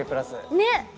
ねっ！